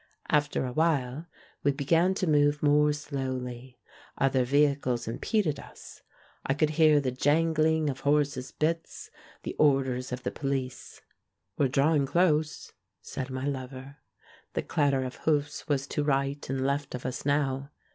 After a while we began to move more slowly, other vehicles impeded us. I could hear the jangling of horses' bits, the orders of the po lice. "We're drawing close," said my lover. The clatter of hoofs was to right and left of us now.